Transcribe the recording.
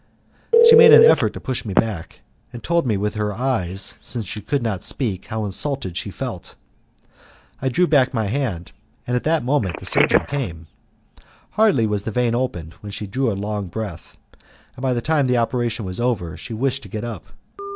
She made an effort to push me back, and told me with her eyes, since she could not speak, how insulted she felt. I drew back my hand, and at that moment the surgeon came. Hardly was the vein opened when she drew a long breath, and by the time the operation was over she wished to get up.